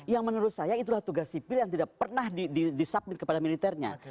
yang menurut saya itulah tugas sipil yang tidak pernah disubmit kepada militernya